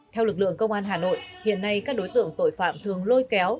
theo lực lượng công an hà nội hiện nay các đối tượng tội phạm thường lôi kéo